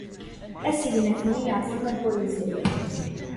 Asegnaf-nni yerẓem ayyur yezrin.